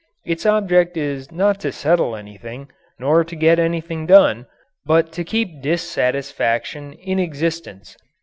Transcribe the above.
Its object is not to settle anything, nor to get anything done, but to keep dissatisfaction in existence.